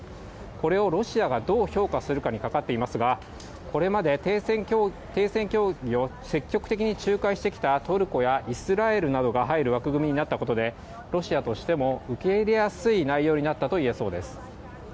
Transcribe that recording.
これをロシアがどう評価するにかかっていますがこれまで停戦協議を積極的に仲介してきたトルコやイスラエルなどが入る枠組みになったことでロシアとしても受け入れやすい内容になったといえそうです。